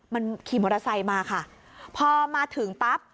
มันขี่มอเตอร์ไซค์มาค่ะพอมาถึงปั๊บ